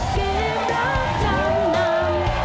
เกมรับท่านน้ำ